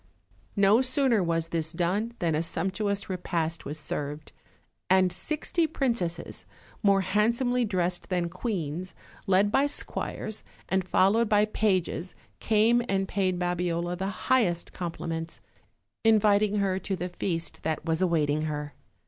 No sooner was this done than a sumptuous repast was served, and sixty princesses, more handsomely dressed than queens, led by OLD, OLD FAIRY TALES. 207 squires, and followed by pages, came and paid Babiola the highest compliments, inviting her to the feast that was awaiting her.